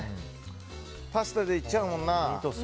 パスタでいっちゃうもんな。